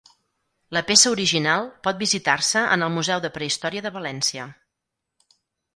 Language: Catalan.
La peça original pot visitar-se en el Museu de Prehistòria de València.